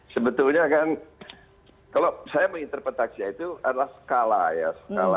sebetulnya kan kalau saya menginterpretasinya itu adalah skala ya